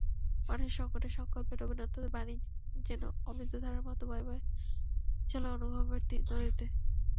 মানুষের সংকটে, সংকল্পে রবীন্দ্রনাথের বাণী যেন অমৃতধারার মতো বয়ে চলে অনুভবের নদীতে।